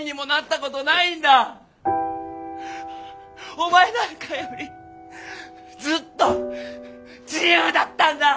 お前なんかよりずっと自由だったんだ！